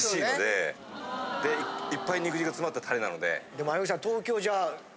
いっぱい肉汁つまったタレなので。